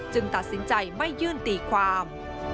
ตัดสินใจไม่ยื่นตีความ